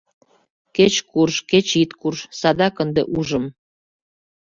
Кеч курж, кеч ит курж, садак ынде ужым...